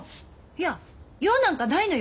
いや用なんかないのよ。